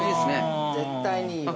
絶対にいいわ。